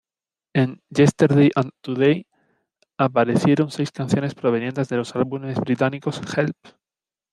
En "Yesterday and Today" aparecieron seis canciones provenientes de los álbumes británicos "Help!